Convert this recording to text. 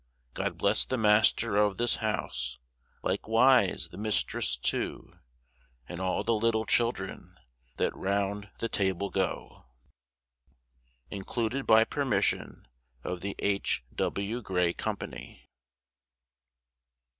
God bless the master of this house, Likewise the mistress too; And all the little children That round the table go. Old Devonshire Carol _Included by permission of The H. W. Gray Company.